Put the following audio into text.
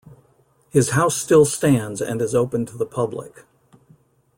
His house still stands and is open to the public.